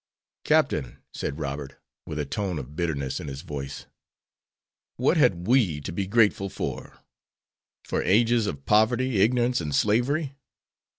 "Captain," said Robert, with a tone of bitterness in his voice, "what had we to be grateful for? For ages of poverty, ignorance, and slavery?